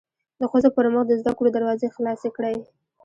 د ښځو پرمخ د زده کړو دروازې خلاصې کړی